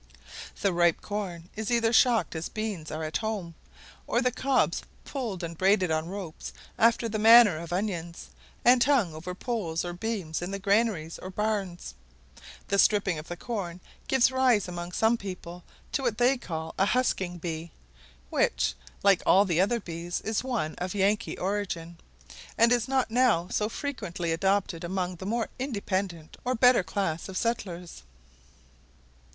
The ripe corn is either shocked as beans are at home, or the cobs pulled and braided on ropes after the manner of onions, and hung over poles or beams in the granaries or barns. The stripping of the corn gives rise among some people, to what they call a husking bee, which, like all the other bees, is one of Yankee origin, and is not now so frequently adopted among the more independent or better class of settlers.